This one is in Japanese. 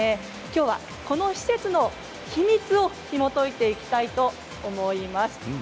きょうは、この施設の秘密をひもといていきたいと思います。